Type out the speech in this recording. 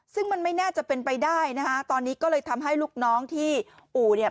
ซึ่งมันไม่น่าจะเป็นไปได้นะคะตอนนี้ก็เลยทำให้ลูกน้องที่อู่เนี่ย